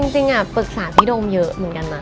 จริงปรึกษาพี่โดมเยอะเหมือนกันนะ